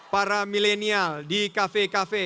para milenial di kafe kafe